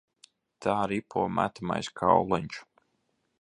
Tā ripo metamais kauliņš.